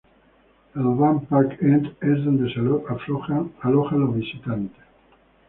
El Barn Park End es donde se alojan los visitantes.